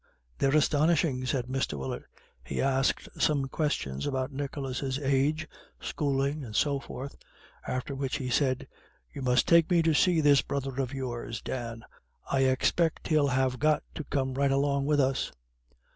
They're astonishing," said Mr. Willett. He asked some questions about Nicholas's age, schooling, and so forth; after which he said: "You must take me to see this brother of yours, Dan. I expect he'll have got to come right along with us."